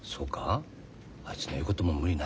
あいつの言うことも無理ないけどな。